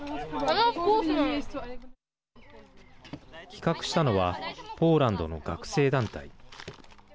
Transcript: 企画したのはポーランドの学生団体。